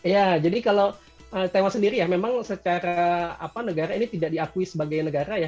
ya jadi kalau taiwan sendiri ya memang secara apa negara ini tidak diakui sebagai negara ya